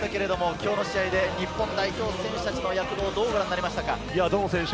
今日の試合で日本代表選手たちの躍動をどうご覧になりましたか？